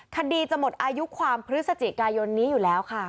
คดีจะหมดอายุความพฤศจิกายนนี้อยู่แล้วค่ะ